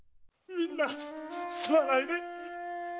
みんなすまないね。